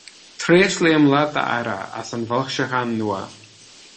Tréaslaím leat a Aire as an bhfoilseachán nua.